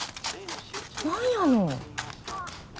何やの。